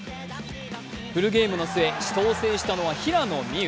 フルゲームの末、死闘を制したのは平野美宇。